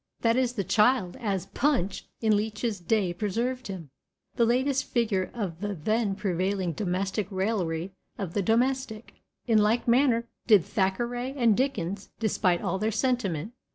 That is the child as Punch in Leech's day preserved him, the latest figure of the then prevailing domestic raillery of the domestic. In like manner did Thackeray and Dickens, despite all their sentiment.